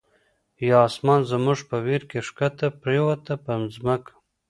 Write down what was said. یا آسمان زمونږ په ویر کی، ښکته پریوته په ځمکه